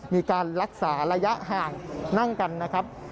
มีการรักษาระยะห่างนั่งกันนะครับ